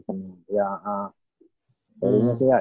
ya seri nya sih ya